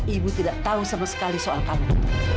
ibu tidak tahu sama sekali soal kamu